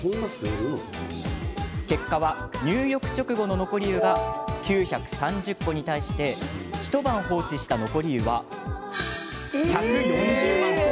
結果は、入浴直後の残り湯が９３０個に対して一晩放置した残り湯は１４０万個。